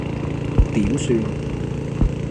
點算